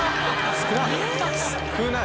少ない！